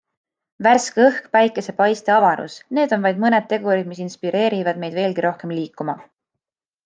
Värske õhk, päikesepaiste, avarus - need on vaid mõned tegurid, mis inspireerivad meid veelgi rohkem liikuma.